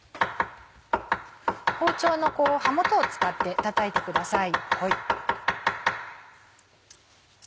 包丁の刃元を使ってたたいてください。